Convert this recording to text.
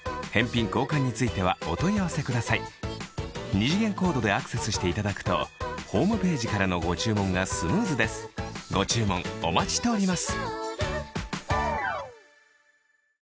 二次元コードでアクセスしていただくとホームページからのご注文がスムーズですご注文お待ちしております